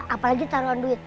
apalagi taruhan duit